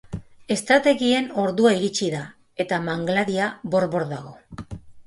Estrategien ordua iritsi da, eta mangladia bor-bor dago.